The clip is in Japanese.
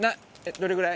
どれぐらい？